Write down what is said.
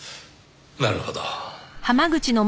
なるほど。